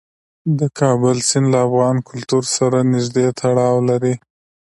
د کابل سیند له افغان کلتور سره نږدې تړاو لري.